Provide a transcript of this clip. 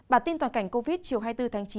bản tin toàn cảnh covid chiều hai mươi bốn tháng chín